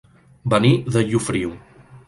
Venir de Llofriu.